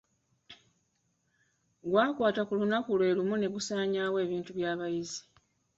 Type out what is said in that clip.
Gwakwata ku lunaku lwe lumu ne gusaanyaawo ebintu by'abayizi.